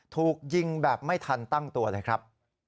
ถูกยิงแบบไม่ทันตั้งตัวเลยครับ